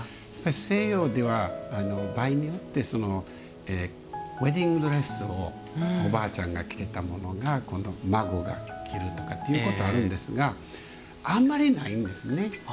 西洋では場合によってウエディングドレスをおばあちゃんが着てたものが今度、孫が着るとかってことがあるんですがあんまりないんですね。